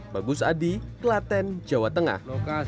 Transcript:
bagus adi klaten jawa tengah